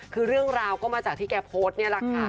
คือเรื่องราวก็มาจากที่แกโพสต์นี่แหละค่ะ